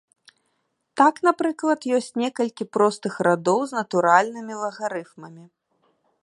Так, напрыклад, ёсць некалькі простых радоў з натуральнымі лагарыфмамі.